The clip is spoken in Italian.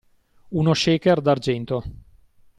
Uno shaker d'argento